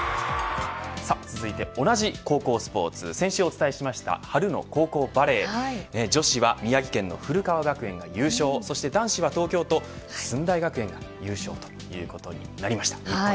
続いて同じ高校スポーツ先週お伝えしました春の高校バレー女子は宮城県の古川学園が優勝そして男子は、東京都駿台学園が優勝ということになりました。